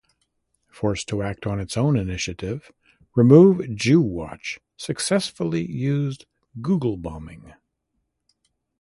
Forced to act on its own initiative, Remove Jew Watch successfully used Googlebombing...